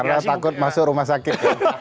karena takut masuk rumah sakit